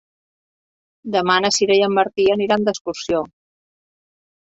Demà na Sira i en Martí aniran d'excursió.